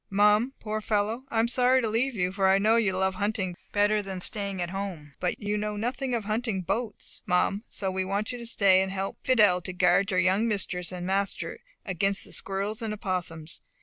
Mum, poor fellow, I am sorry to leave you; for I know you love hunting better than staying at home. But you know nothing of hunting boats, Mum; so we want you to stay and help Fidelle to guard your young mistress and master against the squirrels and opossums.